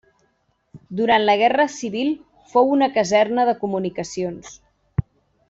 Durant la Guerra Civil fou una caserna de comunicacions.